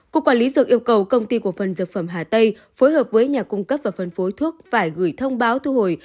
cục quản lý dược yêu cầu công ty cổ phần dược phẩm hà tây phối hợp với nhà cung cấp và phân phối thuốc phải gửi thông báo thu hồi